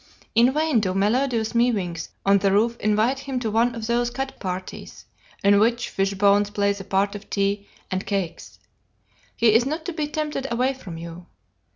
In vain do melodious mewings on the roof invite him to one of those cat parties in which fish bones play the part of tea and cakes; he is not to be tempted away from you.